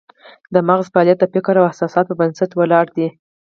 د مغز فعالیت د فکر او احساساتو پر بنسټ ولاړ دی